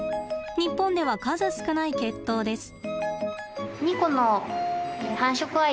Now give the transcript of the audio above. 日本では数少ない血統です。